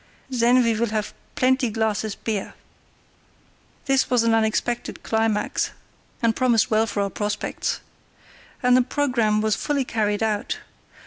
Then we will have plenty glasses beer." This was an unexpected climax, and promised well for our prospects. And the programme was fully carried out.